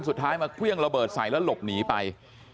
สุดท้ายมาเครื่องระเบิดใส่แล้วหลบหนีไป